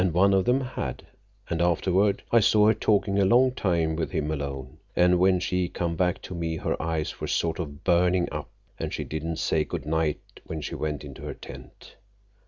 One of them had, and afterward I saw her talking a long time with him alone, and when she come back to me, her eyes were sort of burning up, and she didn't say good night when she went into her tent.